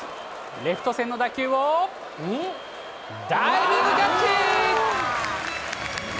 レフト線の打球を、ダイビングキャッチ。